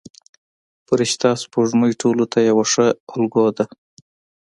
فرشته سپوږمۍ ټولو ته یوه ښه الګو ده.